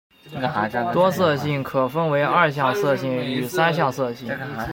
多色性可分为二向色性与三向色性。